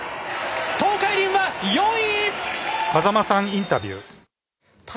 東海林は４位。